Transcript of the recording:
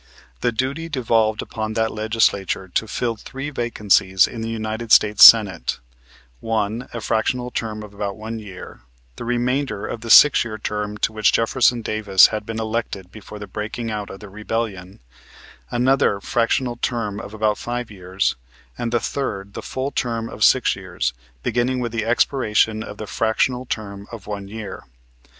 The duty devolved upon that Legislature to fill three vacancies in the United States Senate: one, a fractional term of about one year, the remainder of the six year term to which Jefferson Davis had been elected before the breaking out of the Rebellion, another fractional term of about five years, and the third, the full term of six years, beginning with the expiration of the fractional term of one year.